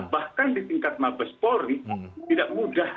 bahkan di tingkat mabes polri tidak mudah